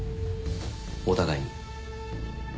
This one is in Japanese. お互いに。